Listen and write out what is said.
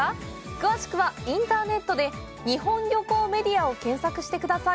詳しくは、インターネットで「日本旅行メディア」を検索してください。